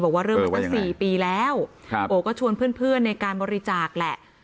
บอกว่าเริ่มมาตั้ง๔ปีแล้วโอก็ชวนเพื่อนในการบริจาคแหละ